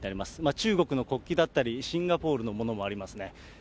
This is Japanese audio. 中国の国旗だったり、シンガポールのものもありますね。